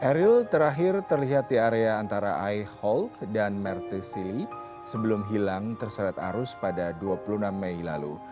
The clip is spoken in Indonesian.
eril terakhir terlihat di area antara eye hold dan mertesili sebelum hilang terseret arus pada dua puluh enam mei lalu